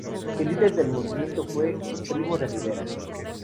El líder del movimiento fue: Primo de Rivera.